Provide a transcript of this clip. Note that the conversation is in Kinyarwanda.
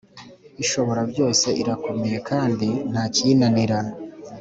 Ishoborabyose irakomeye kandi ntakiyinanira